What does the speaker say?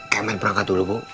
kemet berangkat dulu bu